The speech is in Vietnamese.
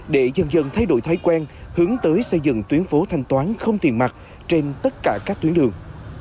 để dần dần thay đổi thói quen hướng tới xây dựng tuyến phố thanh toán không tiền mặt trên tất cả các tuyến đường